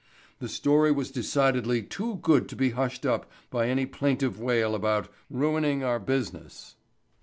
The story was decidedly too good to be hushed up by any plaintive wail about "ruining our business."